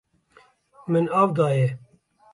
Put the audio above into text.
Min av daye.